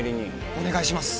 お願いします